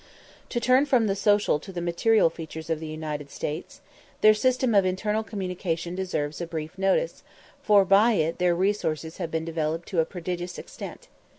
To turn from the social to the material features of the United States: their system of internal communication deserves a brief notice, for by it their resources have been developed to a prodigious extent.